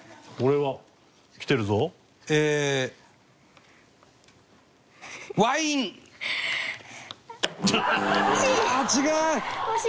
はい。